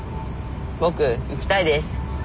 僕行きたいです。